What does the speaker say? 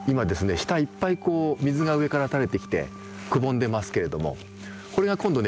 下いっぱいこう水が上から垂れてきてくぼんでますけれどもこれが今度ね